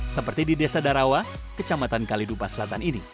seperti di desa darawa kecamatan kalidupa selatan ini